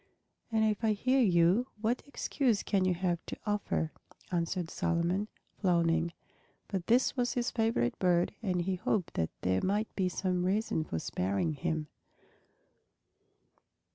"And if I hear you, what excuse can you have to offer?" answered Solomon, frowning. But this was his favorite bird and he hoped that there might be some reason for sparing him.